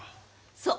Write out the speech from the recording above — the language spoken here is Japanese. そう。